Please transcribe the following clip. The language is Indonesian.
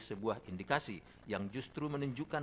sebuah indikasi yang justru menunjukkan